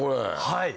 はい。